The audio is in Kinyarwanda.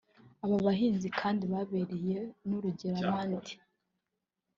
Aba bahinzi kandi babereye n’urugero abandi